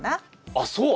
あっそう？